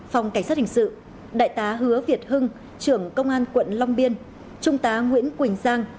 phòng cảnh sát hình sự đại tá hứa việt hưng trưởng công an quận long biên trung tá nguyễn quỳnh giang